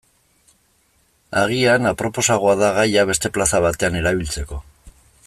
Agian aproposagoa da gaia beste plaza batean erabiltzeko.